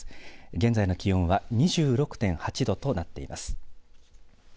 現在の気温は２６．８度となっています。